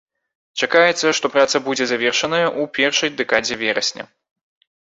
Чакаецца, што праца будзе завершаная ў першай дэкадзе верасня.